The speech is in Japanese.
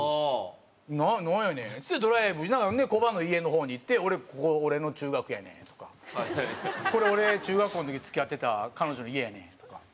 「なんやねん？」っつってドライブしながらほんでコバの家の方に行って「ここ俺の中学やねん」とか「これ俺中学校の時に付き合ってた彼女の家やねん」とか。